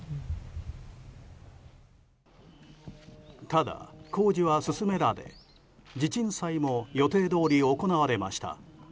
ただ、工事は進められ地鎮祭も予定どおり行われました。